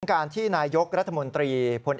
การที่นายกรัฐมนตรี